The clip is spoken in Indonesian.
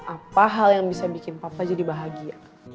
apa hal yang bisa bikin papa jadi bahagia